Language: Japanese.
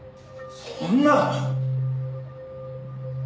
そんな！